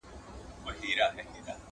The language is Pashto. • هغه ساعت، هغه مصلحت.